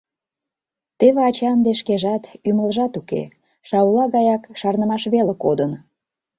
Теве ача ынде шкежат, ӱмылжат уке, шаула гаяк шарнымаш веле кодын.